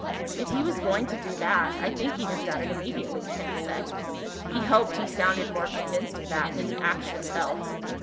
"If he was going to do that, I think he'd have done it immediately," Ken said. He hoped he sounded more convinced of that than he actually felt.